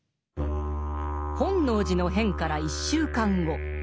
本能寺の変から１週間後。